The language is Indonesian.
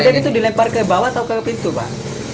itu dilempar ke bawah atau ke pintu pak